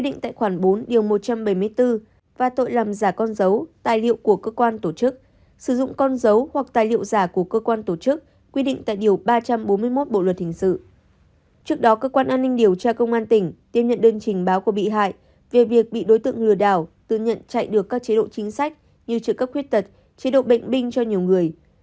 về việc bị đối tượng ngừa đảo tự nhận chạy được các chế độ chính sách như trợ cấp khuyết tật chế độ bệnh binh cho nhiều người